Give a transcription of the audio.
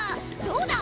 どうだ！